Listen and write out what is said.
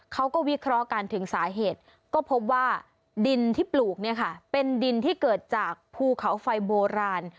เขาก็วิเคราะห์กันถึงสาเหตุก็พบว่าดินที่ปลูกเนี่ยค่ะเป็นดินที่เกิดจากภูเขาไฟโบราณ